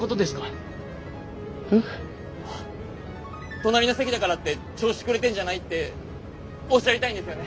隣の席だからって調子くれてんじゃない？っておっしゃりたいんですよね？